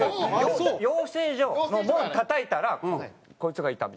養成所の門をたたいたらこいつがいた。